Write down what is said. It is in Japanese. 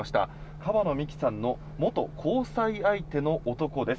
川野美樹さんの元交際相手の男です。